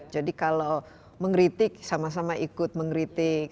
jadi kalau mengkritik sama sama ikut mengkritik